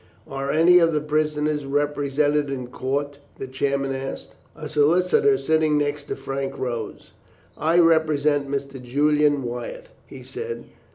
"Are any of the prisoners represented in court?" the chairman asked. A solicitor sitting next to Frank rose. "I represent Mr. Julian Wyatt," he said.